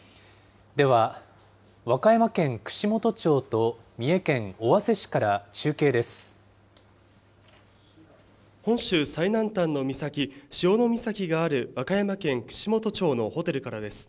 では、和歌山県串本町と三重県尾本州最南端の岬、潮岬がある和歌山県串本町のホテルからです。